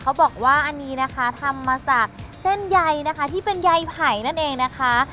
เขาบอกว่าอันนี้ทำมาตั้งใส่เส้นยัยนะคะที่เป็นยัยไผ่นั่นเองนะคะ